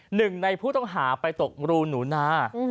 หนึ่งในผู้ต้องหาไปตกรูหนูนา